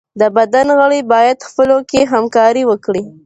د بدن غړي بايد خپلو کي همکاري وکړي.